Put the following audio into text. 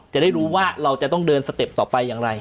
จะได้รู้ว่าเราจะต้องเดินสเต็ปต่อไปอย่างไร